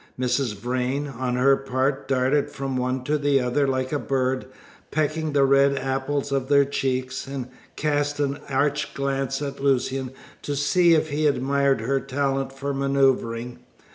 Mrs. Vrain, on her part, darted from one to the other like a bird, pecking the red apples of their cheeks, and cast an arch glance at Lucian to see if he admired her talent for manoeuvering.